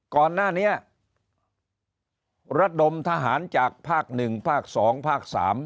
ก่อนหน้านี้ระดมทหารจากภาค๑ภาค๒ภาค๓